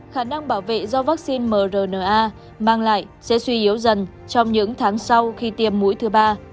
khả năng bảo vệ do vaccine mrna mang lại sẽ suy yếu dần trong những tháng sau khi tiêm mũi thứ ba